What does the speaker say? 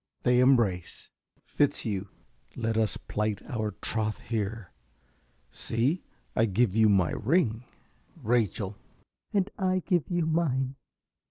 (They embrace.) ~Fitzhugh.~ Let us plight our troth here. See, I give you my ring! ~Rachel.~ And I give you mine.